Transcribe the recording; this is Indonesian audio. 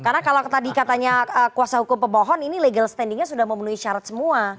karena kalau tadi katanya kuasa hukum pebohon ini legal standingnya sudah memenuhi syarat semua